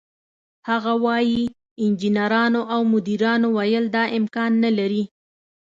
هغه وايي: "انجنیرانو او مدیرانو ویل دا امکان نه لري،